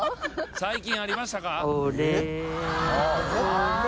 最近ありましたか？